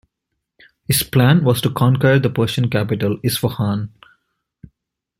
His plan was to conquer the Persian capital, Isfahan.